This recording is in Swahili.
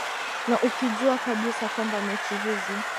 na ukijua kabisa kwamba mechi hizi